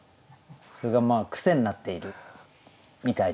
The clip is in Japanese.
それがまあ癖になっているみたいな。